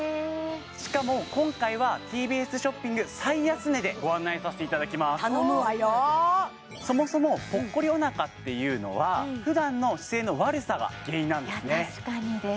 しかも今回はＴＢＳショッピング最安値でご案内させていただきます頼むわよそもそもぽっこりお腹っていうのは普段の姿勢の悪さが原因なんですねいや確かにです